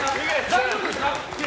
大丈夫ですか？